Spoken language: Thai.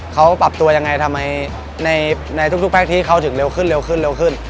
เขาปรับตัวยังไงทำไมในทุกแพลกที่เขาถึงเร็วขึ้น